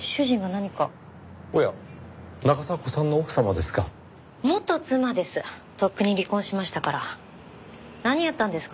何やったんですか？